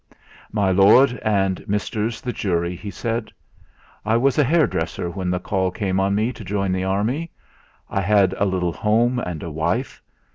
"My lord and misters the jury," he said: "I was a hairdresser when the call came on me to join the army. I had a little home and a wife.